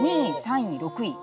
２位３位６位。